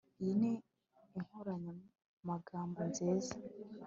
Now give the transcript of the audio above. Iyi ni inkoranyamagambo nziza